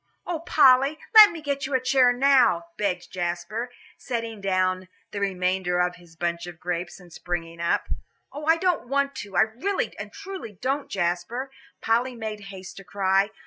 "Oh, Polly, let me get you a chair now," begged Jasper, setting down the remainder of his bunch of grapes, and springing up. "Oh, I don't want to, I really and truly don't, Jasper," Polly made haste to cry.